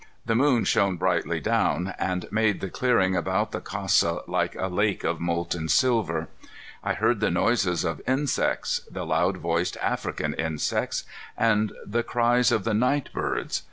The moon shone brightly down and made the clearing about the casa like a lake of molten silver. I heard the noises of insects the loud voiced African insects and the cries of the night birds.